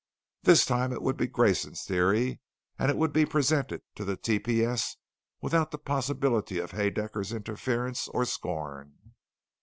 This time it would be Grayson's Theory. And it would be presented to the T.P.S. without the possibility of Haedaecker's interference or scorn.